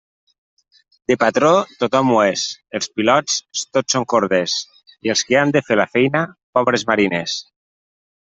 De patró, tothom ho és, els pilots, tots són corders, i els que han de fer la feina, pobres mariners.